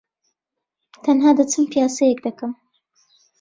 تەنھا دەچم پیاسەیەک دەکەم.